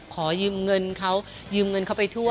ขอยืมเงินเขายืมเงินเขาไปทั่ว